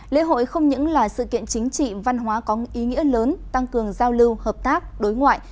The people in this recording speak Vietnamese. lễ hội không những là sự kiện chính trị văn hóa có ý nghĩa lớn tăng cường giao lưu hợp tác đối ngoại